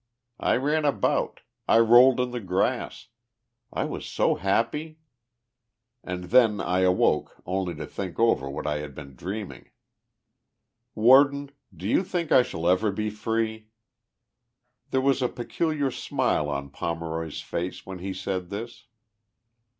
I ran about. I rolled in the grass. I was so happy. And then I awoke only to think over what I had been dreaming. Warden, do vou think 1 shall ever be free ?" o '. 71 THE LIFE OF JESSE IIAL DING POMEROY. There was a peculiar smile on Pomeroy's face when he said this.